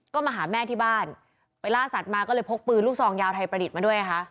ก็มาหาแม่ที่บ้านไปล่าสัตว์มาก็เลยพกปืนลูกซองยาวไทยประดิษฐ์มาด้วยนะคะ